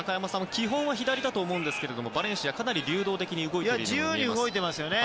基本は左だと思うんですけどバレンシアは、かなり流動的に動いていますよね。